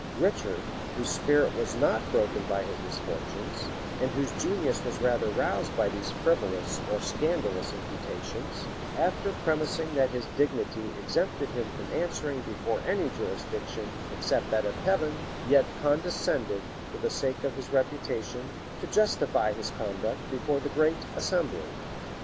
] Richard, whose spirit was not broken by his misfortunes, and whose genius was rather roused by these frivolous or scandalous imputations, after premising that his dignity exempted him from answering before any jurisdiction, except that of Heaven, yet condescended, for the sake of his reputation, to justify his conduct before that great assembly.